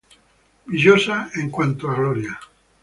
Villosa en cuanto a gloria.